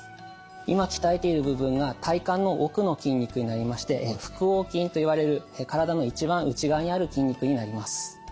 今鍛えている部分が体幹の奥の筋肉になりまして腹横筋といわれる体の一番内側にある筋肉になります。